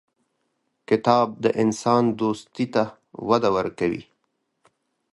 کتاب د انسان دوستي ته وده ورکوي.